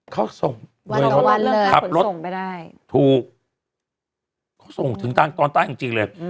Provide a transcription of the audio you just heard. เขาส่งเริ่มขับรถถูกเขาส่งถึงตอนใต้จริงเลย